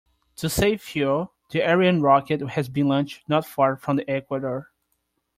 To save fuel, the Ariane rocket has been launched not far from the equator.